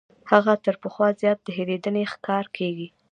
هغه تر پخوا زیات د هېرېدنې ښکار کیږي.